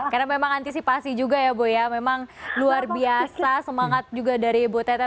karena memang antisipasi juga ya bu ya memang luar biasa semangat juga dari bu teta